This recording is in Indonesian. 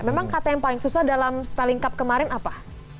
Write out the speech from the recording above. memang kata yang paling susah dalam spelling cup kemarin apa